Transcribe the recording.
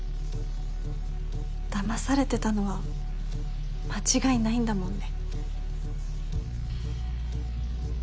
騙されてたのは間違いないんだもんね。